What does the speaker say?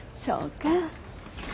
そうか。